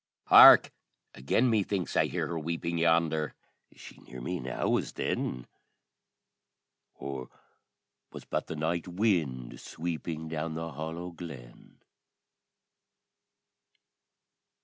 Hark!... Again, methinks, I hear her weeping Yonder! Is she near me now, as then? Or was but the night wind sweeping Down the hollow glen?